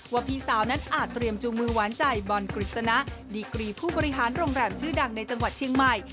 พี่สาวนั้นอาจเตรียมจูงมือหวานใจบอลกฤษณะดีกรีผู้บริหารโรงแรมชื่อดังในจังหวัดเชียงใหม่